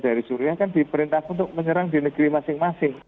dari suriah kan diperintahkan untuk menyerang di negeri masing masing